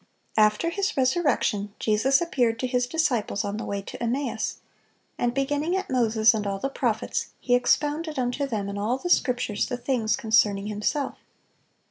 After His resurrection, Jesus appeared to His disciples on the way to Emmaus, and "beginning at Moses and all the prophets, He expounded unto them in all the Scriptures the things concerning Himself."